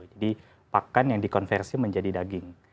jadi pakan yang dikonversi menjadi daging